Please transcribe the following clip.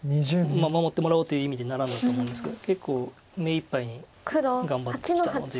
守ってもらおうという意味でナラんだと思うんですけど結構目いっぱいに頑張ってきたので。